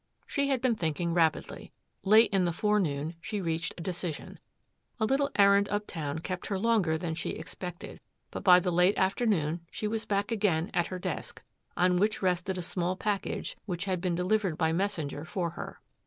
She had been thinking rapidly. Late in the forenoon she reached a decision. A little errand uptown kept her longer than she expected, but by the late afternoon she was back again at her desk, on which rested a small package which had been delivered by messenger for her.